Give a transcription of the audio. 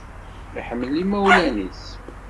Iḥemmel imawlan-is